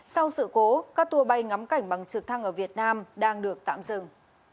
sau sự cố các tour bay ngắm cảnh bằng trực thăng ở việt nam đang được tạm dừng